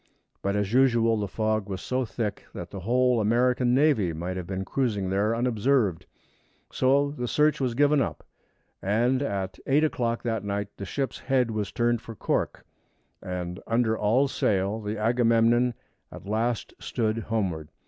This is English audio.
But as usual the fog was so thick that the whole American navy might have been cruising there unobserved; so the search was given up, and at eight o'clock that night the ship's head was turned for Cork, and, under all sail, the Agamemnon at last stood homeward.